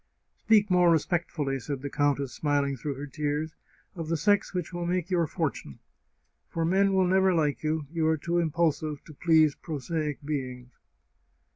" Speak more respectfully," said the countess, smiling through her tears, " of the sex which will make your for tune. For men will never like you — you are too impulsive to please prosaic beings